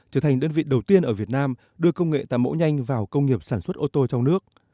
trở thành đơn vị đầu tiên ở việt nam đưa công nghệ tạo mẫu nhanh vào công nghiệp sản xuất ô tô trong nước